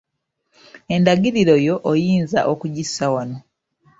Endagiriro yo oyinza okugissa wano.